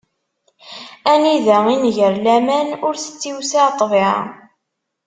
Anida inger laman, ur tettiwsiɛ ṭṭbiɛa.